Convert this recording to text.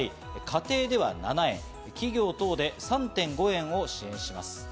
家庭では７円、企業等で３．５円を支援します。